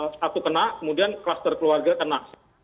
satu kena kemudian kluster keluarga kena